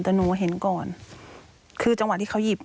แต่หนูเห็นก่อนคือจังหวะที่เขาหยิบ